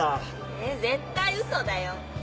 え絶対嘘だよ。